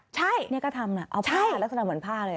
ใช่นี่ก็ทำนะเอาผ้าแล้วสามารถหมดผ้าเลย